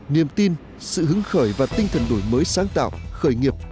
niềm tin sự hứng khởi và tinh thần đổi mới sáng tạo khởi nghiệp